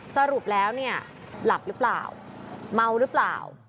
สรุปแล้วเนี่ยหลับหรือเปล่าเมาหรือเปล่า